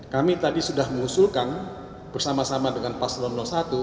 kami tadi sudah mengusulkan bersama sama dengan paslon satu